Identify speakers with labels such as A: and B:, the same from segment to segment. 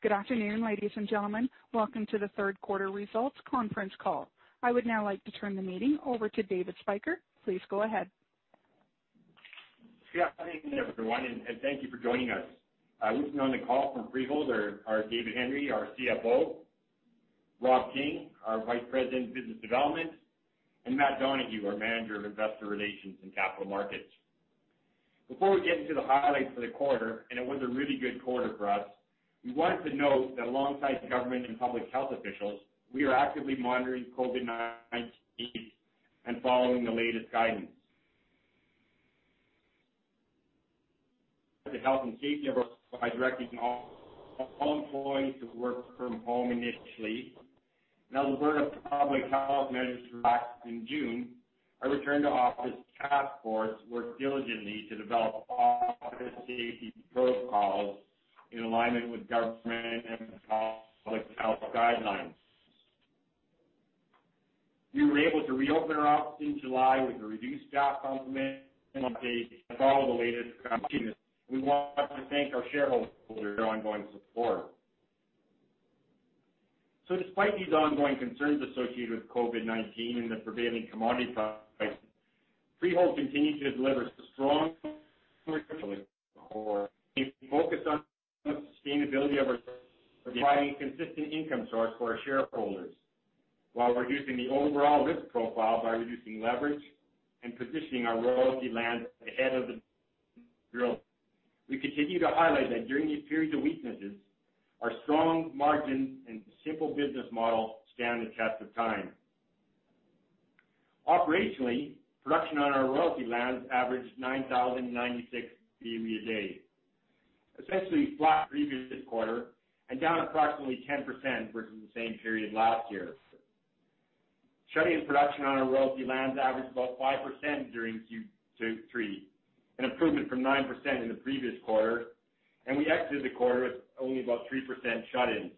A: Good afternoon, ladies and gentlemen. Welcome to the third quarter results conference call. I would now like to turn the meeting over to David Spyker. Please go ahead.
B: Yeah. Good afternoon, everyone, thank you for joining us. We have on the call from Freehold are David Hendry, our CFO, Rob King, our Vice President of Business Development, and Matt Donohue, our Manager of Investor Relations and Capital Markets. Before we get into the highlights for the quarter, and it was a really good quarter for us, we wanted to note that alongside government and public health officials, we are actively monitoring COVID-19 and following the latest guidance. For the health and safety of our employees, we directed all employees to work from home initially. As a result of public health measures relaxed in June, our return to office task force worked diligently to develop office safety protocols in alignment with government and public health guidelines. We were able to reopen our office in July with a reduced staff complement and updates to follow the latest guidelines. We want to thank our shareholders for their ongoing support. Despite these ongoing concerns associated with COVID-19 and the prevailing commodity prices, Freehold continues to deliver strong focus on the sustainability of our providing a consistent income source for our shareholders, while reducing the overall risk profile by reducing leverage and positioning our royalty land ahead of the drill. We continue to highlight that during these periods of weaknesses, our strong margins and simple business model stand the test of time. Operationally, production on our royalty lands averaged 9,096 BOE a day, essentially flat previous quarter and down approximately 10% versus the same period last year. Shut-in production on our royalty lands averaged about 5% during Q3, an improvement from 9% in the previous quarter, and we exited the quarter with only about 3% shut-ins.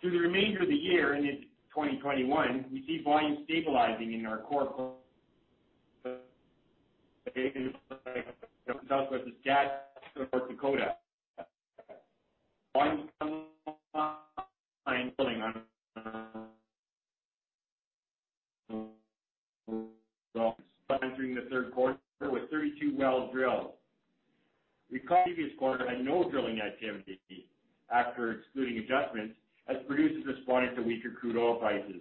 B: Through the remainder of the year and into 2021, we see volumes stabilizing in our core North Dakota. Volume entering the third quarter with 32 wells drilled. We note this quarter had no drilling activity after excluding adjustments as producers responded to weaker crude oil prices.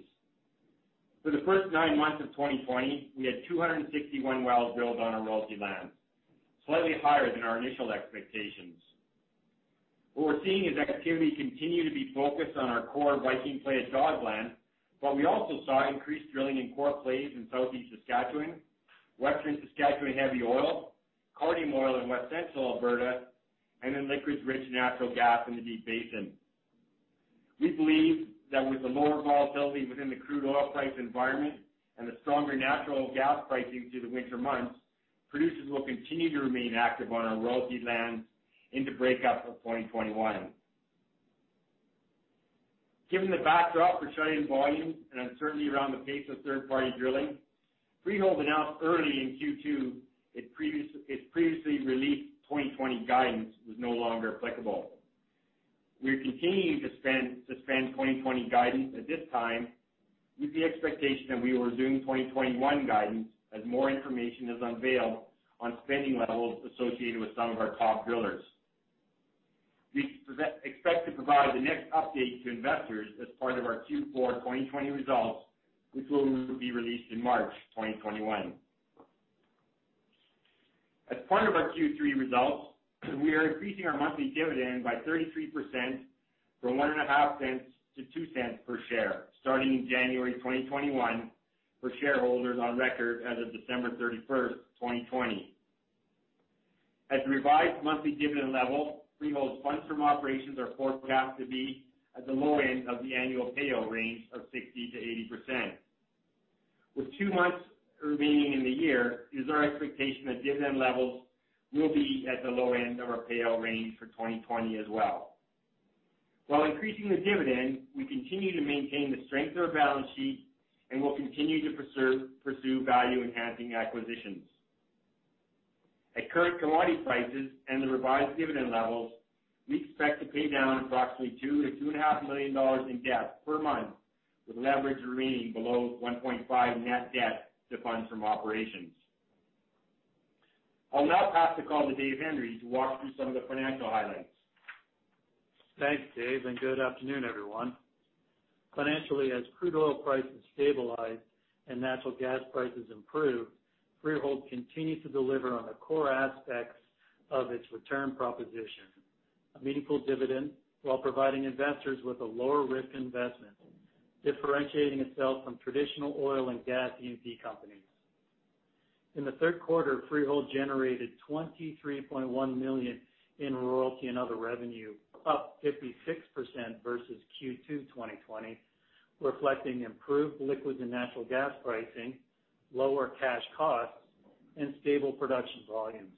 B: For the first nine months of 2020, we had 261 wells drilled on our royalty lands, slightly higher than our initial expectations. What we're seeing is activity continue to be focused on our core Viking Play and Duvernay lands, but we also saw increased drilling in core plays in Southeast Saskatchewan, Western Saskatchewan heavy oil, Cardium oil in West Central Alberta, and in liquids rich natural gas in the Deep Basin. We believe that with the lower volatility within the crude oil price environment and the stronger natural gas pricing through the winter months, producers will continue to remain active on our royalty lands into breakup of 2021. Given the backdrop for shut-in volumes and uncertainty around the pace of third-party drilling, Freehold announced early in Q2 its previously released 2020 guidance was no longer applicable. We are continuing to suspend 2020 guidance at this time with the expectation that we will resume 2021 guidance as more information is unveiled on spending levels associated with some of our top drillers. We expect to provide the next update to investors as part of our Q4 2020 results, which will be released in March 2021. As part of our Q3 results, we are increasing our monthly dividend by 33% from 0.015 to 0.02 per share starting in January 2021 for shareholders on record as of December 31st, 2020. At the revised monthly dividend level, Freehold's funds from operations are forecast to be at the low end of the annual payout range of 60%-80%. With two months remaining in the year, it is our expectation that dividend levels will be at the low end of our payout range for 2020 as well. While increasing the dividend, we continue to maintain the strength of our balance sheet and will continue to pursue value-enhancing acquisitions. At current commodity prices and the revised dividend levels, we expect to pay down approximately 2 million-2.5 million dollars in debt per month, with leverage remaining below 1.5 net debt to funds from operations. I'll now pass the call to Dave Hendry to walk through some of the financial highlights.
C: Thanks, Dave, and good afternoon, everyone. Financially, as crude oil prices stabilize and natural gas prices improve, Freehold continues to deliver on the core aspects of its return proposition, a meaningful dividend while providing investors with a lower-risk investment, differentiating itself from traditional oil and gas E&P companies. In the third quarter, Freehold generated 23.1 million in royalty and other revenue, up 56% versus Q2 2020, reflecting improved liquids and natural gas pricing, lower cash costs, and stable production volumes.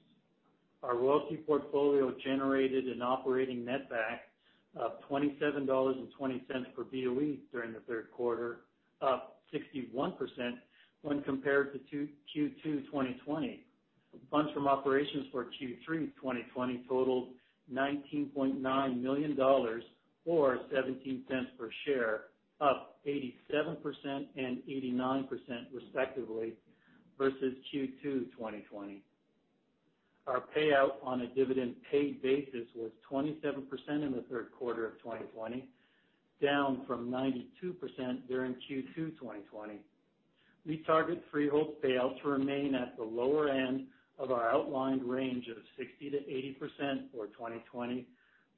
C: Our royalty portfolio generated an operating netback of 27.20 dollars per BOE during the third quarter, up 61% when compared to Q2 2020. Funds from operations for Q3 2020 totaled CAD 19.9 million, or 0.17 per share, up 87% and 89%, respectively, versus Q2 2020. Our payout on a dividend paid basis was 27% in the third quarter of 2020, down from 92% during Q2 2020. We target Freehold's payout to remain at the lower end of our outlined range of 60%-80% for 2020,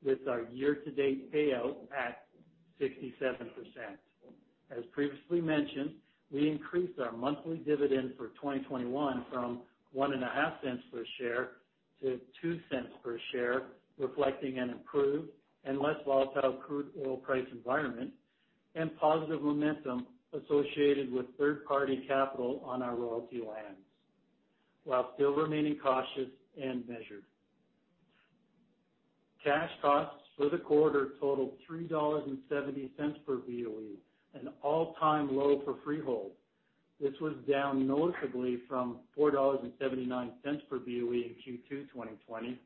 C: with our year-to-date payout at 67%. As previously mentioned, we increased our monthly dividend for 2021 from 0.015 per share to 0.02 per share, reflecting an improved and less volatile crude oil price environment and positive momentum associated with third-party capital on our royalty lands, while still remaining cautious and measured. Cash costs for the quarter totaled 3.70 dollars per BOE, an all-time low for Freehold. This was down noticeably from 4.79 dollars per BOE in Q2 2020.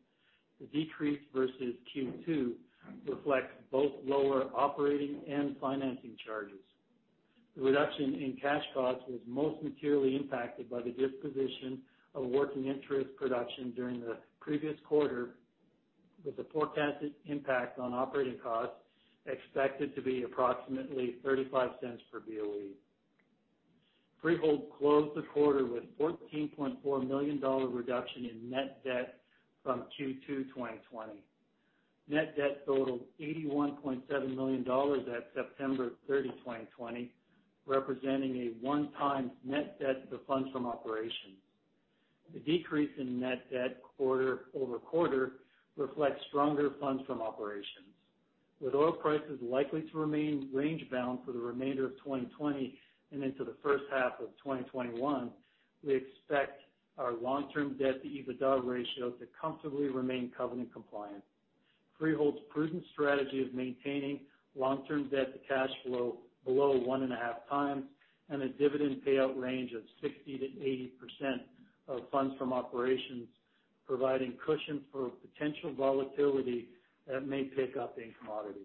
C: The decrease versus Q2 reflects both lower operating and financing charges. The reduction in cash costs was most materially impacted by the disposition of working interest production during the previous quarter, with the forecasted impact on operating costs expected to be approximately 0.35 per BOE. Freehold closed the quarter with a CAD 14.4 million reduction in net debt from Q2 2020. Net debt totaled 81.7 million dollars at September 30, 2020, representing a one-time net debt to funds from operations. The decrease in net debt quarter-over-quarter reflects stronger funds from operations. With oil prices likely to remain range-bound for the remainder of 2020 and into the first half of 2021, we expect our long-term debt-to-EBITDA ratio to comfortably remain covenant compliant. Freehold's prudent strategy is maintaining long-term debt to cash flow below 1.5x and a dividend payout range of 60%-80% of funds from operations, providing cushion for potential volatility that may pick up in commodities.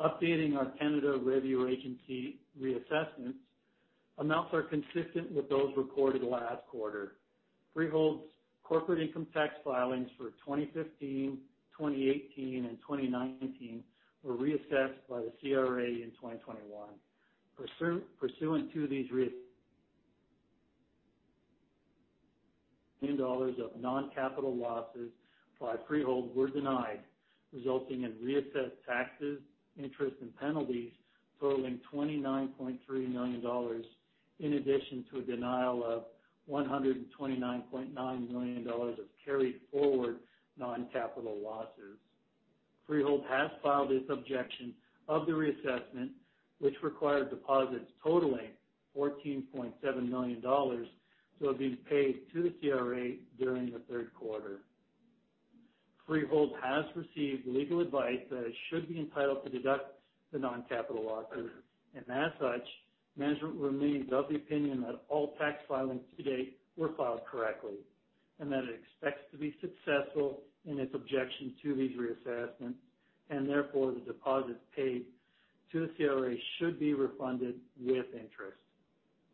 C: Updating our Canada Revenue Agency reassessments, amounts are consistent with those recorded last quarter. Freehold's corporate income tax filings for 2015, 2018, and 2019 were reassessed by the CRA in 2021. Pursuant to these million dollars of non-capital losses by Freehold were denied, resulting in reassessed taxes, interest, and penalties totaling 29.3 million dollars, in addition to a denial of 129.9 million dollars of carried forward non-capital losses. Freehold has filed its objection of the reassessment, which required deposits totaling 14.7 million dollars to have been paid to the CRA during the third quarter. Freehold has received legal advice that should be entitled to deduct the non-capital losses. As such, management remains of the opinion that all tax filings to date were filed correctly and that it expects to be successful in its objection to these reassessments, and therefore, the deposits paid to the CRA should be refunded with interest.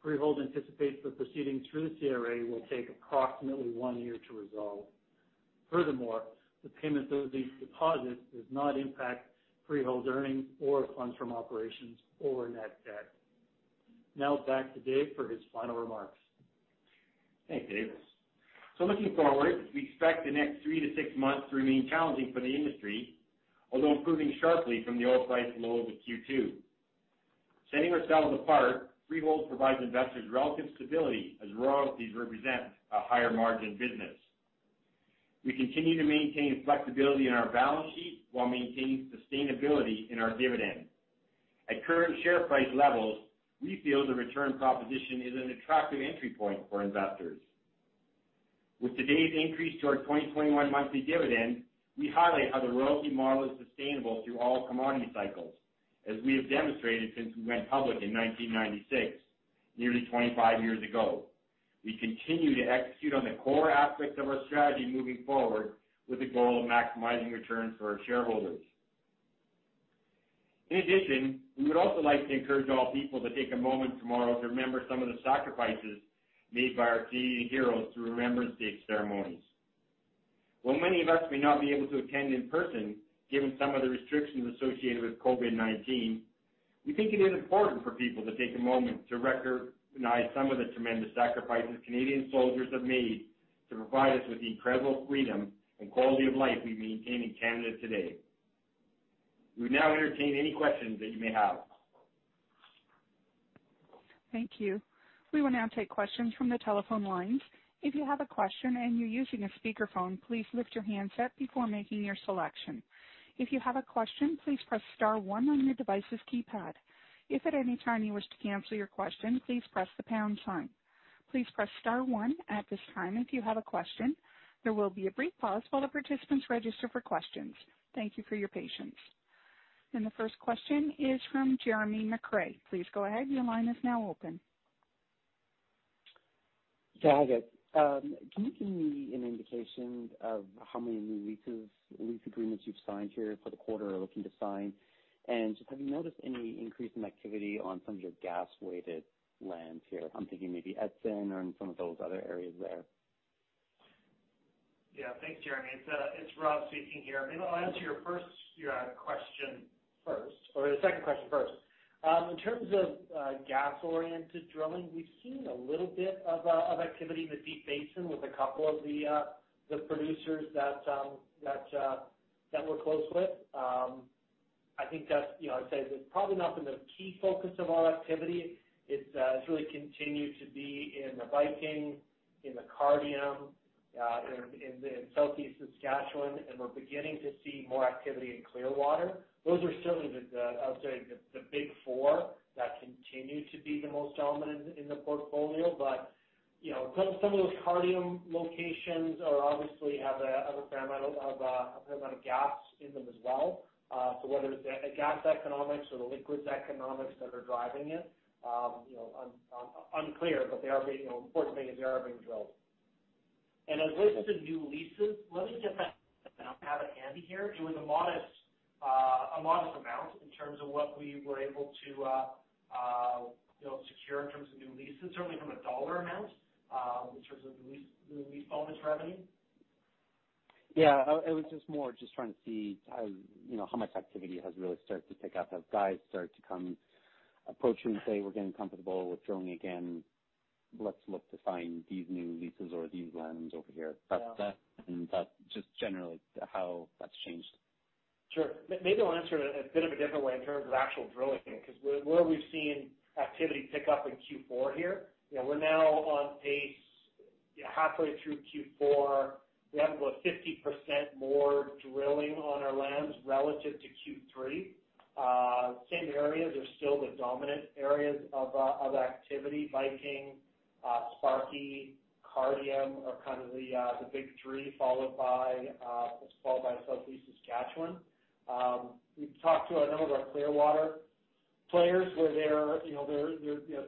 C: Freehold anticipates the proceeding through the CRA will take approximately one year to resolve. Furthermore, the payment of these deposits does not impact Freehold's earnings or funds from operations over net debt. Now back to Dave for his final remarks.
B: Thanks, Dave. Looking forward, we expect the next three to six months to remain challenging for the industry, although improving sharply from the oil price low of Q2. Setting ourselves apart, Freehold provides investors relative stability as royalties represent a higher margin business. We continue to maintain flexibility in our balance sheet while maintaining sustainability in our dividend. At current share price levels, we feel the return proposition is an attractive entry point for investors. With today's increase to our 2021 monthly dividend, we highlight how the royalty model is sustainable through all commodity cycles, as we have demonstrated since we went public in 1996, nearly 25 years ago. We continue to execute on the core aspects of our strategy moving forward with the goal of maximizing returns for our shareholders. We would also like to encourage all people to take a moment tomorrow to remember some of the sacrifices made by our Canadian heroes through Remembrance Day ceremonies. Many of us may not be able to attend in person, given some of the restrictions associated with COVID-19, we think it is important for people to take a moment to recognize some of the tremendous sacrifices Canadian soldiers have made to provide us with the incredible freedom and quality of life we maintain in Canada today. We will now entertain any questions that you may have.
A: Thank you. We will now take questions from the telephone lines. If you have a question and you're using a speakerphone, please lift your handset before making your selection. If you have a question, please press star one on your device's keypad. If at any time you wish to cancel your question, please press the pound sign. Please press star one at this time if you have a question. There will be a brief pause while the participants register for questions. Thank you for your patience. The first question is from Jeremy McCrea. Please go ahead. Your line is now open.
D: Yeah, hi there. Can you give me an indication of how many new lease agreements you've signed here for the quarter or looking to sign? Just have you noticed any increase in activity on some of your gas-weighted lands here? I'm thinking maybe Edson or in some of those other areas there.
E: Thanks, Jeremy. It's Rob speaking here. Maybe I'll answer your second question first. In terms of gas-oriented drilling, we've seen a little bit of activity in the Deep Basin with a couple of the producers that we're close with. I'd say it's probably not been the key focus of our activity. It's really continued to be in the Viking, in the Cardium, in the Southeast Saskatchewan, and we're beginning to see more activity in Clearwater. Those are certainly, I would say, the big four that continue to be the most dominant in the portfolio. Some of those Cardium locations obviously have a fair amount of gas in them as well. Whether it's the gas economics or the liquids economics that are driving it, unclear, but the important thing is they are being drilled. As related to new leases, let me just have a look at it handy here. It was a modest amount in terms of what we were able to secure in terms of new leases, certainly from a dollar amount, in terms of the lease bonus revenue.
D: Yeah. It was just more just trying to see how much activity has really started to pick up. Have guys started to come approach you and say, "We're getting comfortable with drilling again. Let's look to sign these new leases or these lands over here.
E: Yeah.
D: Just generally how that's changed.
E: Sure. Maybe I'll answer it a bit of a different way in terms of actual drilling, because where we've seen activity pick up in Q4 here, we're now on pace halfway through Q4. We have about 50% more drilling on our lands relative to Q3. Same areas are still the dominant areas of activity. Viking, Sparky, Cardium are kind of the big three, followed by Southeast Saskatchewan. We've talked to a number of our Clearwater players.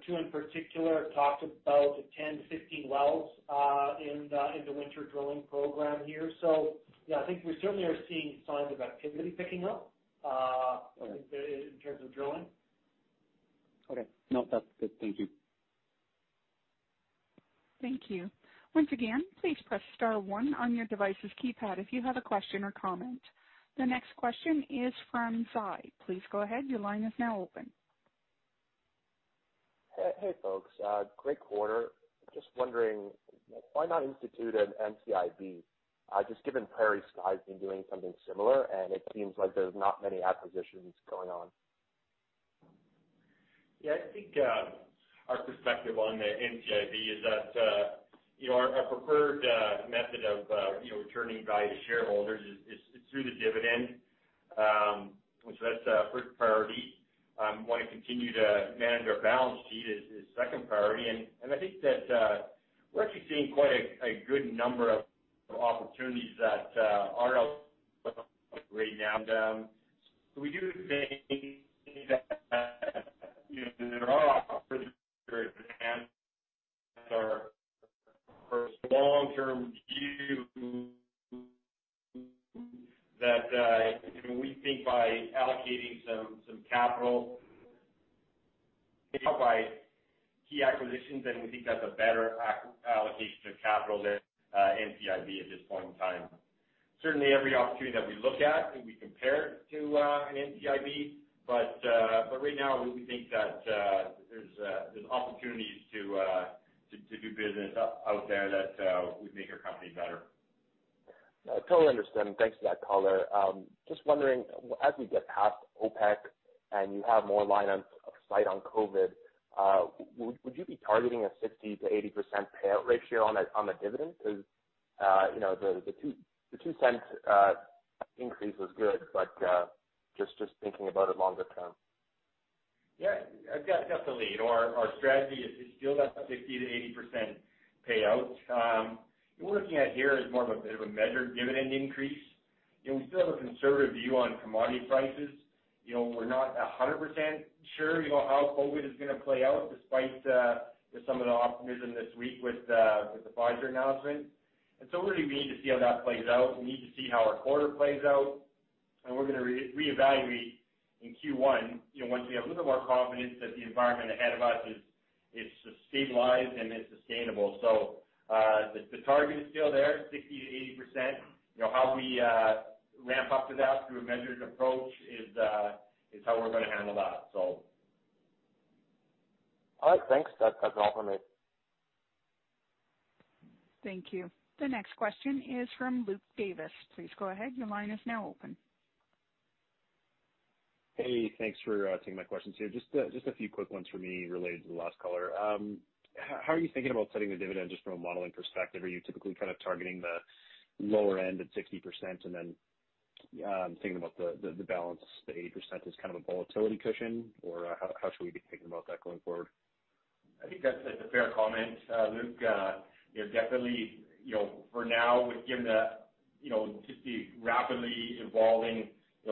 E: Two in particular have talked about 10 to 15 wells in the winter drilling program here. Yeah, I think we certainly are seeing signs of activity picking up in terms of drilling.
D: Okay. No, that's good. Thank you.
A: Thank you. Once again, please press star one on your device's keypad if you have a question or comment. The next question is from Zai. Please go ahead. Your line is now open.
F: Hey, folks. Great quarter. Wondering why not institute an NCIB, just given PrairieSky's been doing something similar, and it seems like there's not many acquisitions going on.
B: I think our perspective on the NCIB is that our preferred method of returning value to shareholders is through the dividend. That's first priority. We want to continue to manage our balance sheet is second priority, and I think that we're actually seeing quite a good number of opportunities that are out there right now. We do think that there are opportunities there. Our long-term view that we think by allocating some capital by key acquisitions, then we think that's a better allocation of capital than NCIB at this point in time. Certainly, every opportunity that we look at, we compare it to an NCIB. Right now we think that there's opportunities to do business out there that would make our company better.
F: No, I totally understand. Thanks for that color. Just wondering, as we get past OPEC and you have more line of sight on COVID-19, would you be targeting a 60%-80% payout ratio on the dividend? The 0.02 increase was good, but just thinking about it longer term.
B: Definitely. Our strategy is still that 50% to 80% payout. What we're looking at here is more of a bit of a measured dividend increase. We still have a conservative view on commodity prices. We're not 100% sure how COVID-19 is going to play out, despite some of the optimism this week with the Pfizer announcement, really we need to see how that plays out. We need to see how our quarter plays out, we're going to reevaluate in Q1 once we have a little more confidence that the environment ahead of us is stabilized and is sustainable. The target is still there, 60% to 80%. How we ramp up to that through a measured approach is how we're going to handle that.
F: All right, thanks. That's all for me.
A: Thank you. The next question is from Luke Davis. Please go ahead your line is open.
G: Hey. Thanks for taking my questions here. Just a few quick ones for me related to the last caller. How are you thinking about setting the dividend, just from a modeling perspective? Are you typically kind of targeting the lower end at 60% and I'm thinking about the balance, the 80% as kind of a volatility cushion, or how should we be thinking about that going forward?
B: I think that's a fair comment, Luke. Definitely, for now, given the rapidly evolving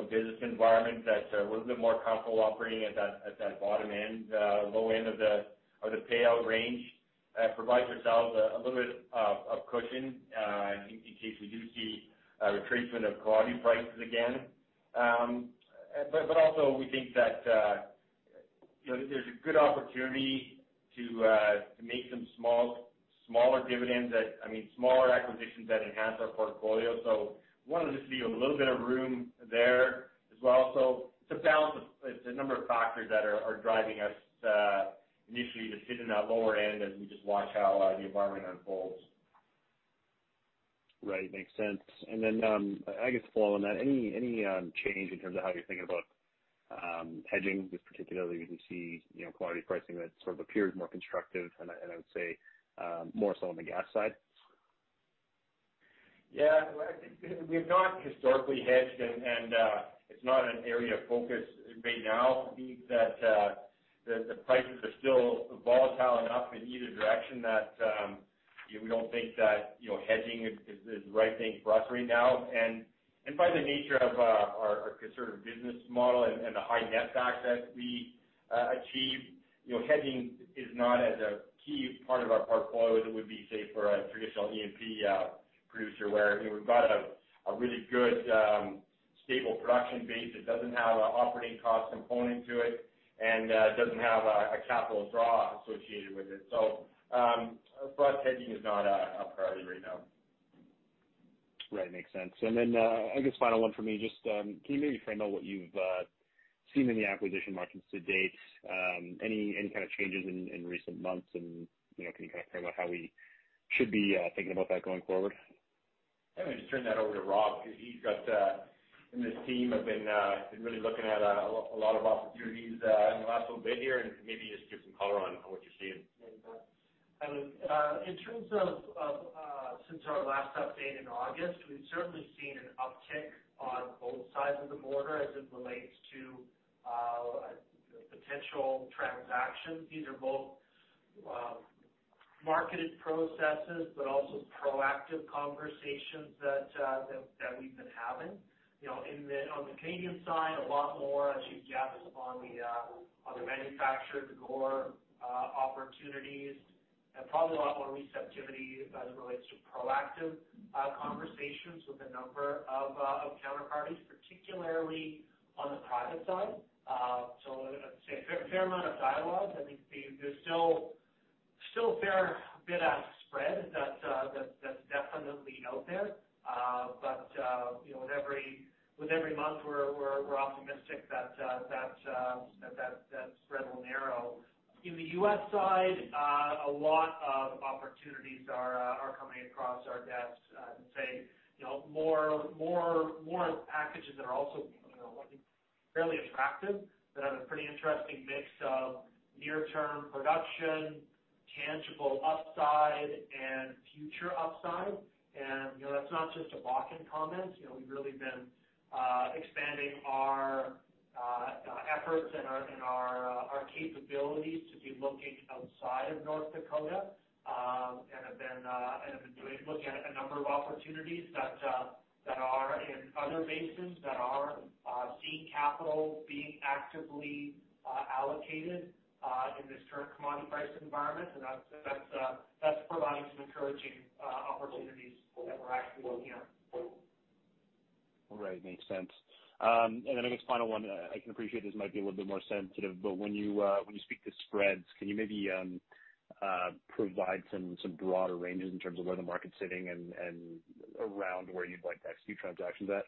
B: business environment that's a little bit more comfortable operating at that bottom end, the low end of the payout range provides ourselves a little bit of cushion, I think, in case we do see a retracement of commodity prices again. Also we think that there's a good opportunity to make some smaller acquisitions that enhance our portfolio. We wanted to just leave a little bit of room there as well. It's a balance of a number of factors that are driving us, initially just hitting that lower end as we just watch how the environment unfolds.
G: Right. Makes sense. Then, I guess following that, any change in terms of how you're thinking about hedging, just particularly as we see commodity pricing that sort of appears more constructive and I would say more so on the gas side?
B: Yeah. We've not historically hedged, and it's not an area of focus right now, being that the prices are still volatile enough in either direction that we don't think that hedging is the right thing for us right now. By the nature of our conservative business model and the high net debt that we achieve, hedging is not as a key part of our portfolio as it would be, say, for a traditional E&P producer, where we've got a really good, stable production base that doesn't have an operating cost component to it and doesn't have a capital draw associated with it. For us, hedging is not a priority right now.
G: Right. Makes sense. I guess final one for me, just can you maybe frame out what you've seen in the acquisition markets to date? Any kind of changes in recent months, and can you kind of frame out how we should be thinking about that going forward?
B: I'm going to just turn that over to Rob, because he and his team have been really looking at a lot of opportunities in the last little bit here, and maybe he can just give some color on what you're seeing.
E: In terms of since our last update in August, we've certainly seen an uptick on both sides of the border as it relates to potential transactions. These are both marketed processes, but also proactive conversations that we've been having. On the Canadian side, a lot more, as you've gathered, on the manufactured core opportunities, and probably a lot more receptivity as it relates to proactive conversations with a number of counterparties, particularly on the private side. I'd say a fair amount of dialogue. There's still a fair bit of spread that's definitely out there. With every month, we're optimistic that spread will narrow. In the US side, a lot of opportunities are coming across our desks. I'd say more packages that are also looking fairly attractive, that have a pretty interesting mix of near-term production, tangible upside, and future upside. That's not just a Bakken comment. We've really been expanding our efforts and our capabilities to be looking outside of North Dakota, and have been looking at a number of opportunities that are in other basins that are seeing capital being actively allocated in this current commodity price environment. That's providing some encouraging opportunities that we're actively looking at.
G: Right. Makes sense. I guess final one, I can appreciate this might be a little bit more sensitive, but when you speak to spreads, can you maybe provide some broader ranges in terms of where the market's sitting and around where you'd like to execute transactions at?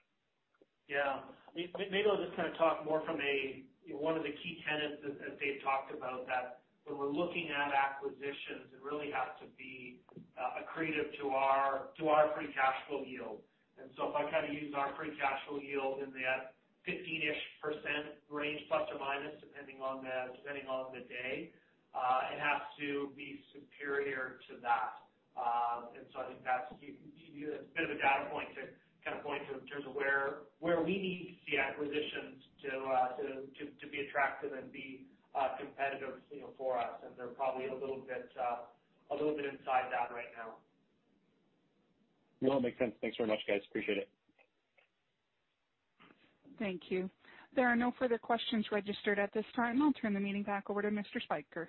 E: Yeah. Maybe I'll just kind of talk more from one of the key tenets as Dave talked about, that when we're looking at acquisitions, it really has to be accretive to our free cash flow yield. If I kind of use our free cash flow yield in that 15%-ish range, plus or minus, depending on the day, it has to be superior to that. I think that's a bit of a data point to kind of point in terms of where we need to see acquisitions to be attractive and be competitive for us. They're probably a little bit inside that right now.
G: No, it makes sense. Thanks very much, guys. Appreciate it.
A: Thank you. There are no further questions registered at this time. I'll turn the meeting back over to Mr. Spyker.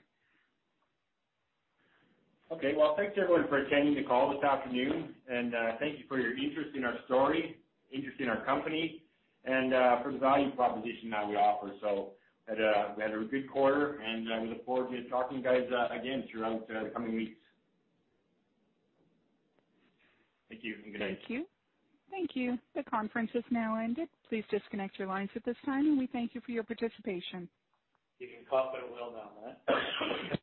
B: Okay. Well, thanks everyone for attending the call this afternoon, and thank you for your interest in our story, interest in our company, and for the value proposition that we offer. We had a good quarter, and we look forward to talking to you guys again throughout the coming weeks. Thank you and good night.
A: Thank you. Thank you. The conference has now ended. Please disconnect your lines at this time, and we thank you for your participation.
B: You can cough a little now, Matt.